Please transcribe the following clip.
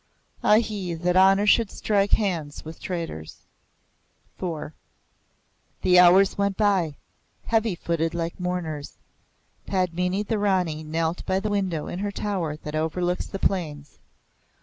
(A hi! that honour should strike hands with traitors!) IV The hours went by, heavy footed like mourners. Padmini the Rani knelt by the window in her tower that overlooks the plains.